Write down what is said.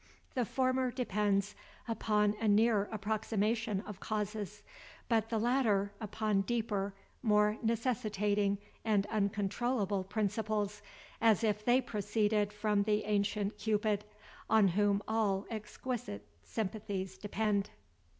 The former depends upon a near approximation of causes, but the latter upon deeper, more necessitating and uncontrollable principles, as if they proceeded from the ancient Cupid, on whom all exquisite sympathies depend.